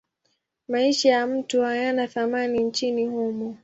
Maisha ya mtu hayana thamani nchini humo.